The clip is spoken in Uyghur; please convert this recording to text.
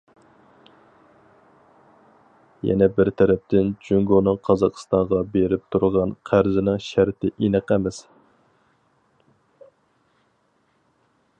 يەنە بىر تەرەپتىن جۇڭگونىڭ قازاقىستانغا بېرىپ تۇرغان قەرزىنىڭ شەرتى ئېنىق ئەمەس.